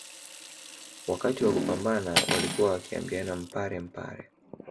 Wakati wa kupambana walikuwa wakiambiana mpare mpare